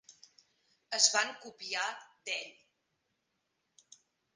Es van copiar d'ell.